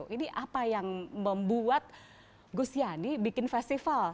ini apa yang membuat gus yani bikin festival